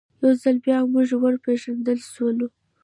یو ځل بیا موږ ور وپېژندل سولو.